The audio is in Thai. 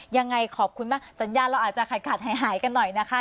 ยังไงขอบคุณมากสัญญาณเราอาจจะขาดหายกันหน่อยนะคะ